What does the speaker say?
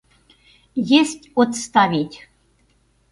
Есть отставить!